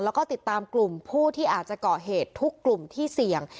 แล้วก็ติดตามกลุ่มผู้ที่อาจจะเกาะเหตุทุกกลุ่มที่เสี่ยง